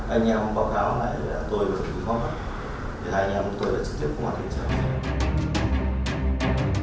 anh em báo cáo lại là tôi cũng khó khăn thì hai anh em của tôi đã trực tiếp có mặt hiện trường